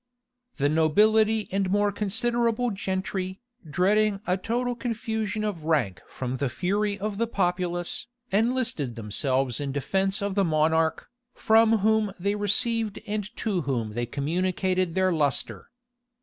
The nobility and more considerable gentry, dreading a total confusion of rank from the fury of the populace, enlisted themselves in defence of the monarch, from whom they received and to whom they communicated their lustre.